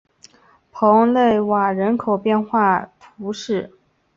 蓬勒瓦人口变化图示